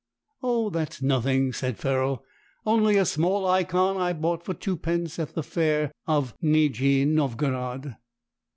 "Oh, that's nothing," said Ferrol, "only a small Ikon I bought for twopence at the Fair of Nijni Novgorod."